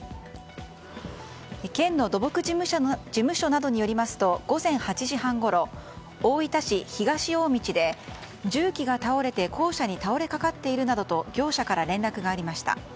県の土木事務所などによりますと午前８時半ごろ、大分市東大道で重機が倒れて校舎に倒れ掛かっているなどと業者から連絡がありました。